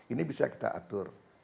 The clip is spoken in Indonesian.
ini bisa kita atur